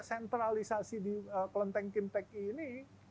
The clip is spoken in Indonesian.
sentralisasi di kelenteng kimpeng ini